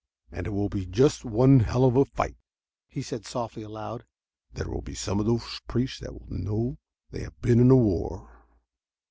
"And it will be just one hell of a fight," he said softly aloud. "There will be some of those priests that will know they have been in a war."